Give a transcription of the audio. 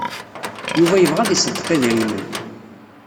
Yuba yebɣa ad iṣeddeq idrimen.